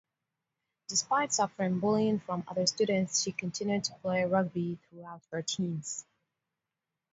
Despite suffering bullying from other students she continued to play rugby throughout her teens.